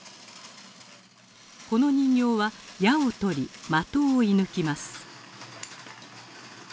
この人形は矢を取り的を射ぬきます。